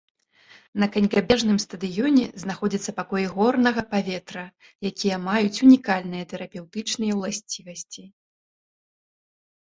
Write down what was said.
На канькабежным стадыёне знаходзяцца пакоі горнага паветра, якія маюць унікальныя тэрапеўтычныя уласцівасці.